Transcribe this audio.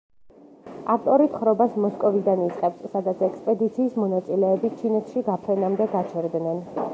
ავტორი თხრობას მოსკოვიდან იწყებს, სადაც ექსპედიციის მონაწილეები ჩინეთში გაფრენამდე გაჩერდნენ.